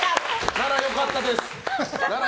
なら良かったです。